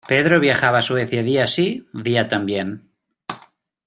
Pedro viajaba a Suecia día sí, día también.